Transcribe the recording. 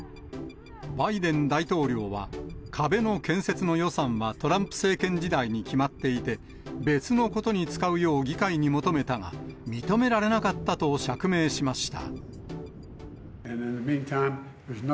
バイデン大統領は、壁の建設の予算は、トランプ政権時代に決まっていて、別のことに使うよう議会に求めたが、認められなかったと釈明しました。